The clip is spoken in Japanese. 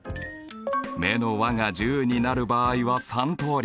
目の和が１０になる場合は３通り。